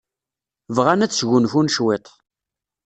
Bɣan ad sgunfun cwiṭ.